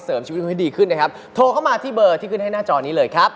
ชีวิตให้ดีขึ้นนะครับโทรเข้ามาที่เบอร์ที่ขึ้นให้หน้าจอนี้เลยครับ